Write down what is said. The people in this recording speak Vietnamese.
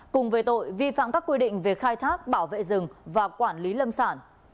cùng về tội vi phạm các quy định về khai thác bảo vệ rừng và quản lý lâm sản